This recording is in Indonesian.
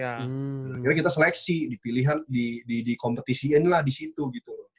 akhirnya kita seleksi dipilihan dikompetisiin lah disitu gitu